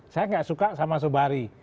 saya nggak suka sama sobari